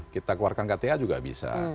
kita keluarkan kta juga bisa